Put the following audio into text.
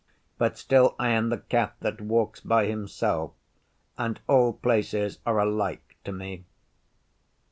But still I am the Cat that walks by himself, and all places are alike to me.